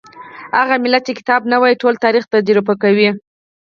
هغه ملت چې کتاب نه وايي ټول تاریخ تجربه کوي.